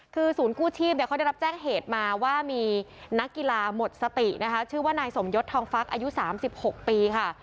คือศูนย์กู้ชีพเขาได้รับแจ้งเหตุมาว่ามีนักกีฬาหมดสตินะคะชื่อว่านายสมยศทองฟักอายุ๓๖ปีค่ะ